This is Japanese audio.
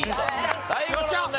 最後の問題